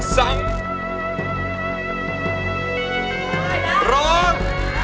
สวัสดีครับ